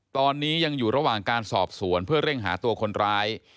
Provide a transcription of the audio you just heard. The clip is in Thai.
ตอนนี้ยังอยู่ระหว่างการสอบสวนเพื่อเร่งหาตัวคนร้าย